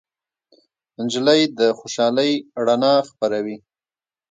نجلۍ د خوشالۍ رڼا خپروي.